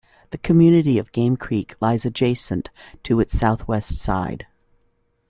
The community of Game Creek lies adjacent to its southwest side.